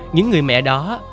những người mẹ đó